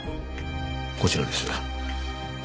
こちらです。